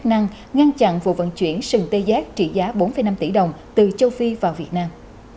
chức năng ngăn chặn vụ vận chuyển sừng tê giác trị giá bốn năm tỷ đồng từ châu phi vào việt nam